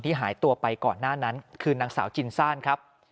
หายตัวไปก่อนหน้านั้นคือนางสาวจินซ่านครับ